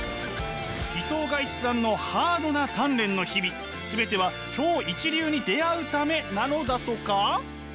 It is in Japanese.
伊藤賀一さんのハードな鍛錬の日々全ては超一流に出会うためなのだとか？